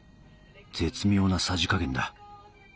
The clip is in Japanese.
絶妙なさじ加減だ。